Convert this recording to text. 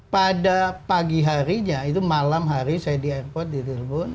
pada pagi harinya itu malam hari saya di airport ditelepon